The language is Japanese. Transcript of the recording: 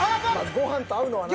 ご飯と合うのはな。